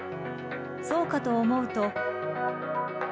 そうかと思うと。